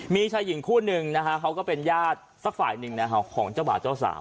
มีชายหญิงคู่หนึ่งนะฮะเขาก็เป็นญาติสักฝ่ายหนึ่งนะฮะของเจ้าบ่าวเจ้าสาว